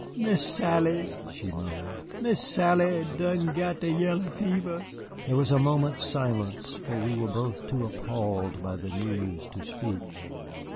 "Miss Sally," she moaned, "Miss Sally done got de yaller fever." There was a moment's silence, for we were both too appalled by the news to speak.